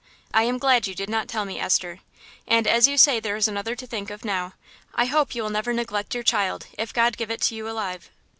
...I am glad you did not tell me, Esther; and as you say there is another to think of now, I hope you will never neglect your child, if God give it to you alive."